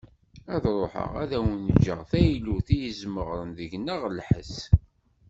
Ad ruḥeγ ad awen-ğğeγ taylut i yesmeγren deg-neγ lḥes.